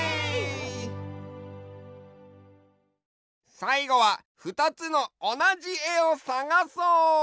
さいごはふたつのおなじえをさがそう！